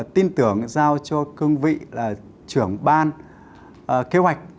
tin tưởng giao cho cương vị là trưởng ban kế hoạch